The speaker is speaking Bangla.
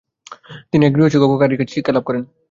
তিনি এক গৃহশিক্ষক ও ক্বারীর কাছে শিক্ষালাভ করেন।